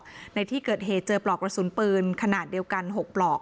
ในที่เกิดเหตุเจอปลอกกระสุนปืนขนาดเดียวกัน๖ปลอก